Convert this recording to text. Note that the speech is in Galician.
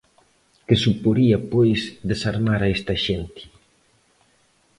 Que suporía pois, desarmar a esta xente?